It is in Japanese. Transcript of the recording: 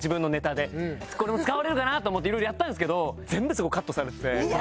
これも使われるかなと思って色々やったんですけど全部そこカットされてて。